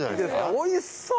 おいしそう。